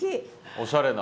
おしゃれな。